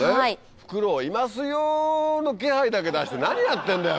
フクロウいますよの気配だけ出して何やってんだよ